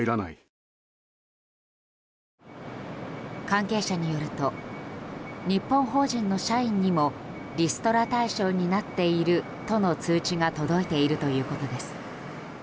関係者によると日本法人の社員にもリストラ対象になっているとの通知が届いているということです。